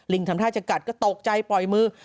ลิ้งทำท่าจักรัดก็เตาะใจปล่อยมือ